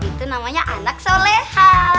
itu namanya anak soleha